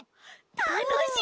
たのしみ！